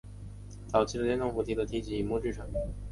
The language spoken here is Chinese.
早期的电动扶梯的梯级以木制成。